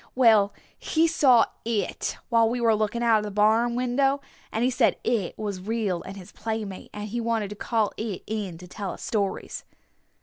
"Well, he saw It while we were looking out of the barn window! And he said It was real and his playmate, and he wanted to call It in to tell us stories!"